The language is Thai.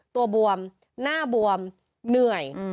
ตัวบวมหน้าบวมเหนื่อย